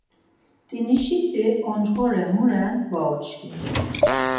Mtinişiti oncğore mu ren var uçkin.